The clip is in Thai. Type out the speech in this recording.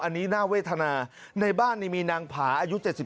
อันนี้น่าเวทนาในบ้านมีนางผาอายุ๗๒